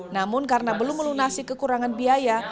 namun karena belum melunasi kekurangan biaya